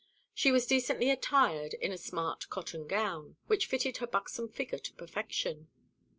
She was decently attired in a smart cotton gown, which fitted her buxom figure to perfection.